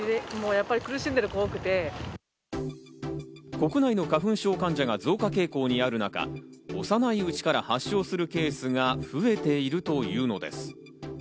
国内の花粉症患者が増加傾向にある中、幼いうちから発症するケースが増えているというのです。